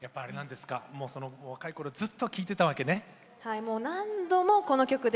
若いころずっと聴いてたのね。